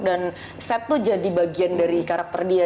dan set itu jadi bagian dari karakter dia